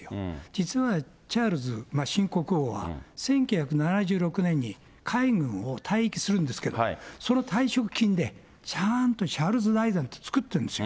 実はチャールズ新国王は、１９７６年に海軍を退役するんですけど、その退職金で、ちゃんとチャールズ財団っていうのを作ってるんです。